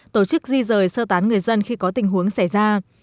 tổ chức di rời sơ tán người dân khi có tình huống xảy ra